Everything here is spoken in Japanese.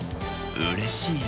うれしいよ。